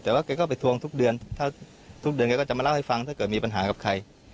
แต่ว่าแกก็ไปทวงทุกเดือนถ้าทุกเดือนแกก็จะมาเล่าให้ฟังถ้าเกิดมีปัญหากับใคร